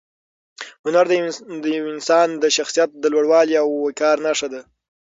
هنر د یو انسان د شخصیت د لوړوالي او وقار نښه ده.